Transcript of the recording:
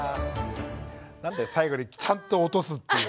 何だよ最後にちゃんと落とすっていう。